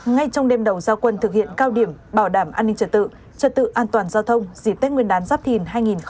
ngay trong đêm đầu giao quân thực hiện cao điểm bảo đảm an ninh trật tự trật tự an toàn giao thông dịp tết nguyên đán giáp thìn hai nghìn hai mươi bốn